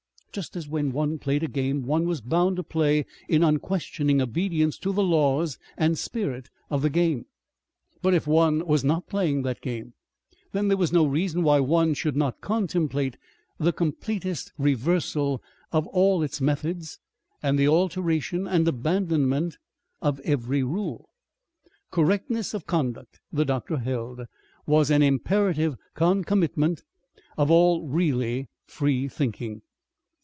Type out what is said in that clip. Just as when one played a game one was bound to play in unquestioning obedience to the laws and spirit of the game, but if one was not playing that game then there was no reason why one should not contemplate the completest reversal of all its methods and the alteration and abandonment of every rule. Correctness of conduct, the doctor held, was an imperative concomitant of all really free thinking.